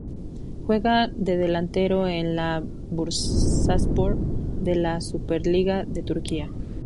Juega de delantero en el Bursaspor de la Superliga de Turquía.